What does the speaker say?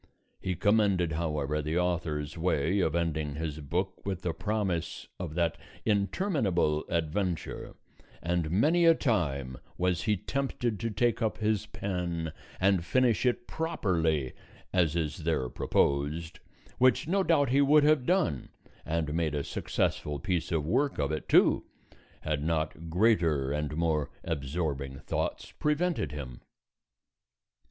He commended however the author's way of ending his book with the promise of that interminable adventure; and many a time was he tempted to take up his pen and finish it properly as is there proposed, which no doubt he would have done, and made a successful piece of work of it too, had not greater and more absorbing thoughts prevented him.